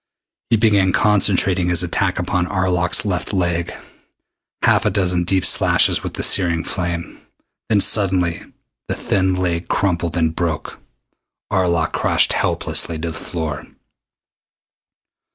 He began concentrating his attack upon Arlok's left leg. Half a dozen deep slashes with the searing flame then suddenly the thin leg crumpled and broke. Arlok crashed helplessly to the floor.